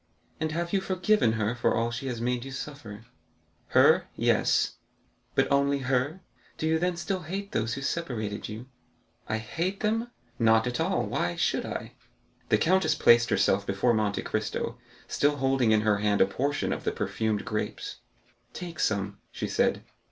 "And have you forgiven her for all she has made you suffer?" "Her,—yes." "But only her; do you then still hate those who separated you?" "I hate them? Not at all; why should I?" The countess placed herself before Monte Cristo, still holding in her hand a portion of the perfumed grapes. "Take some," she said.